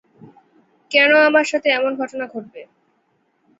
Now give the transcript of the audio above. কেন আমার সাথে এমন ঘটনা ঘটবে?